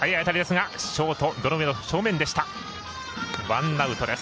ワンアウトです。